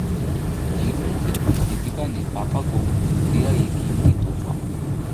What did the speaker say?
Achievement से खुश दीपिका ने पापा को दिया ये कीमती तोहफा!